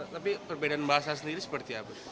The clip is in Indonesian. tapi perbedaan bahasa sendiri seperti apa